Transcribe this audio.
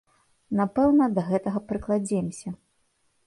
Напэўна, да гэтага прыкладземся.